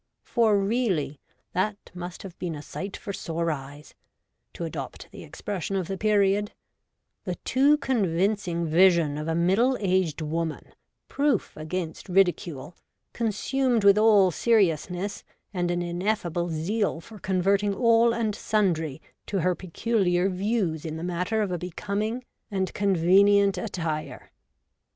For really, that must have been a ' sight for sore eyes '— to adopt the expres sion of the period — the too convincing vision of a middle aged woman, proof against ridicule, con sumed with all seriousness and an ineffable zeal for converting all and sundry to her peculiar views in the matter of a becoming and convenient attire.